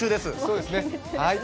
そうですね、はい。